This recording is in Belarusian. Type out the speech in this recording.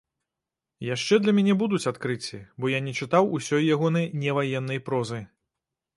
Яшчэ для мяне будуць адкрыцці, бо я не чытаў усёй ягонай неваеннай прозы.